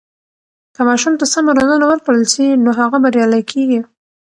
که ماشوم ته سمه روزنه ورکړل سي، نو هغه بریالی کیږي.